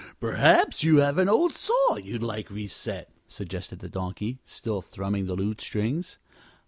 "Perhaps you have an old saw you'd like reset," suggested the Donkey, still thrumming the lute strings.